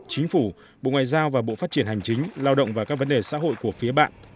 chính phủ bộ ngoại giao và bộ phát triển hành chính lao động và các vấn đề xã hội của phía bạn